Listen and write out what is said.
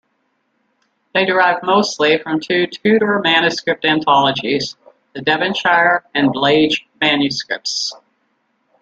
They derive mostly from two Tudor manuscript anthologies, the Devonshire and Blage manuscripts.